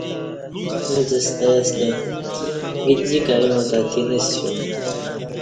اݩڅ ستہ ستہ گجِک ایوݩع تہ تِینہ سیوم